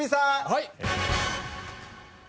はい。